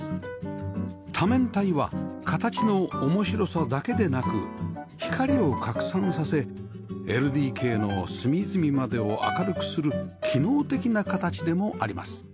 多面体は形の面白さだけでなく光を拡散させ ＬＤＫ の隅々までを明るくする機能的な形でもあります